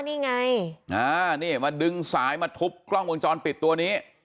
นี่ไงนี่มาดึงสายมาทุบกล้องวงจรปิดตัวนี้